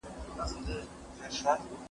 پر خپل ځان باندي تاویږو بس په رسم د پرکار ځو